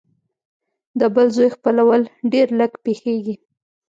د بل زوی خپلول ډېر لږ پېښېږي